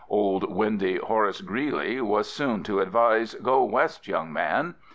Old windy Horace Greeley was soon to advise, "Go West, Young Man."